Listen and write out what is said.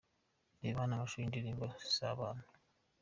Reba hano amashusho y'indirimbo 'Si abantu'.